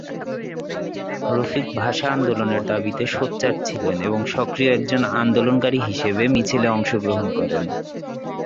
রফিক ভাষা আন্দোলনের দাবিতে সোচ্চার ছিলেন এবং সক্রিয় একজন আন্দোলনকারী হিসেবে মিছিলে অংশগ্রহণ করেন।